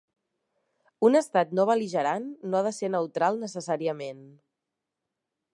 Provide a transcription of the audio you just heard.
Un estat no bel·ligerant no ha de ser neutral necessàriament.